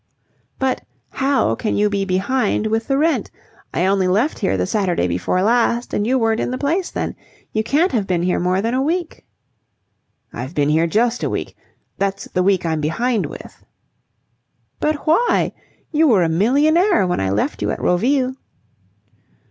"But how can you be behind with the rent? I only left here the Saturday before last and you weren't in the place then. You can't have been here more than a week." "I've been here just a week. That's the week I'm behind with." "But why? You were a millionaire when I left you at Roville."